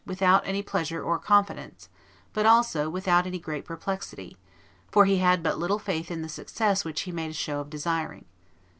without any pleasure or confidence, but also without any great perplexity, for he had but little faith in the success which he made a show of desiring.